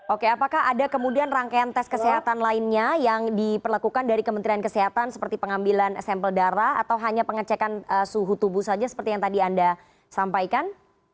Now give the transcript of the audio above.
oke apakah ada kemudian rangkaian tes kesehatan lainnya yang diperlakukan dari kementerian kesehatan seperti pengambilan sampel darah atau hanya pengecekan suhu tubuh saja seperti yang tadi anda sampaikan